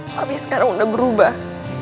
tapi sekarang udah berubah